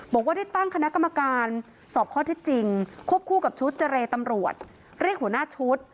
บอกว่าได้ตั้งคณะกรรมการสอบข้อที่จริงควบคู่กับชุดเจรตำรวจเรียกหัวหน้าชุด